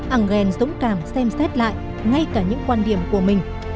engel dũng cảm xem xét lại ngay cả những quan điểm của mình